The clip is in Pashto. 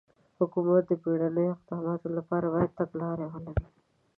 حکومت د بېړنیو اقداماتو لپاره باید تګلاره ولري.